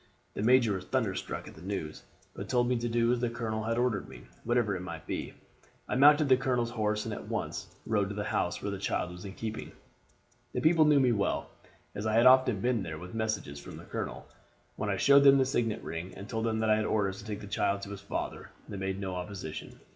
"The major was thunderstruck at the news, but told me to do as the colonel had ordered me, whatever it might be. I mounted the colonel's horse at once and rode to the house where the child was in keeping. The people knew me well, as I had often been there with messages from the colonel. When I showed them the signet ring, and told them that I had orders to take the child to his father, they made no opposition.